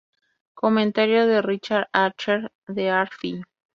Comentario de Richard Archer de Hard-Fi.